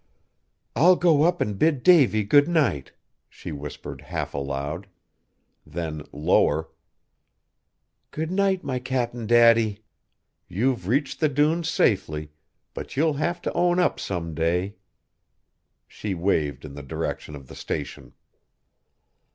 "I'll go up and bid Davy good night," she whispered half aloud. Then lower: "Good night, my Cap'n Daddy! You've reached the dunes safely, but you'll have to own up some day!" She waved in the direction of the Station.